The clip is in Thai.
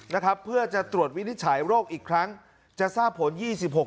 นะครับเพื่อจะตรวจวินิจฉัยโรคอีกครั้งจะทราบผลยี่สิบหก